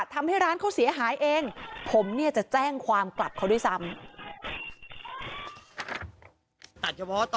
ทำให้ร้านเขาเสียหายเองผมเนี่ยจะแจ้งความกลับเขาด้วยซ้ำ